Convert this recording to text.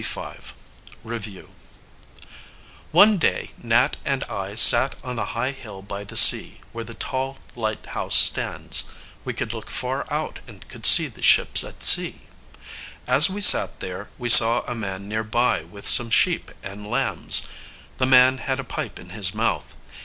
LESSON XLV. REVIEW. One day Nat and I sat on the high hill by the sea, where the tall lighthouse stands. We could look far out, and could see the ships at sea. As we sat there, we saw a man near by, with some sheep and lambs. The man had a pipe in his mouth.